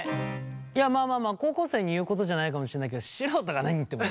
いやまあまあまあ高校生に言うことじゃないかもしれないけど素人が何言ってもね。